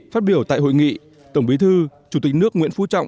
phát biểu tại hội nghị tổng bí thư chủ tịch nước nguyễn phú trọng